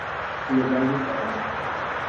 Lugar de fala